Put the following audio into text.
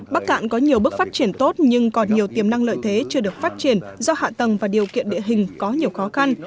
bắc cạn có nhiều bước phát triển tốt nhưng còn nhiều tiềm năng lợi thế chưa được phát triển do hạ tầng và điều kiện địa hình có nhiều khó khăn